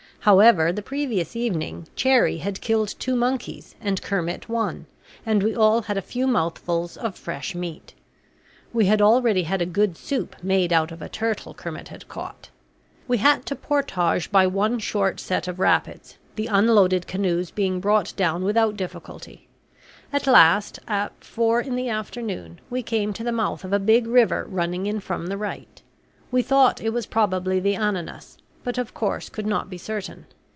However, the previous evening, Cherrie had killed two monkeys and Kermit one, and we all had a few mouthfuls of fresh meat; we had already had a good soup made out of a turtle Kermit had caught. We had to portage by one short set of rapids, the unloaded canoes being brought down without difficulty. At last, at four in the afternoon, we came to the mouth of a big river running in from the right. We thought it was probably the Ananas, but, of course, could not be certain.